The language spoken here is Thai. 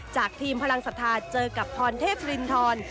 ทีมพลังศรัทธาเจอกับพรเทพรินทร